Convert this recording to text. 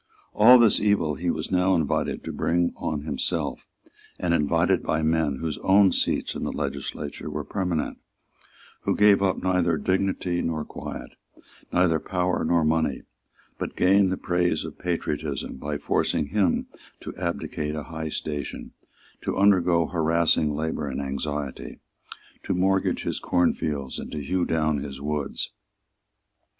All this evil he was now invited to bring on himself, and invited by men whose own seats in the legislature were permanent, who gave up neither dignity nor quiet, neither power nor money, but gained the praise of patriotism by forcing him to abdicate a high station, to undergo harassing labour and anxiety, to mortgage his cornfields and to hew down his woods.